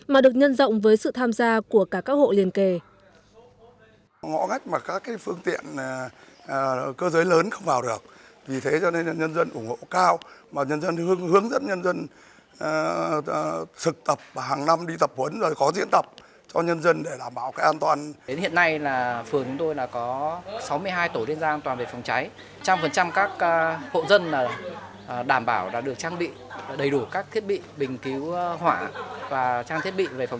mà được nhân rộng với sự tham gia của cả các hộ liên kề